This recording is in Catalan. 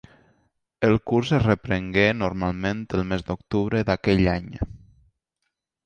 El curs es reprengué, normalment, el mes d'octubre d'aquell any.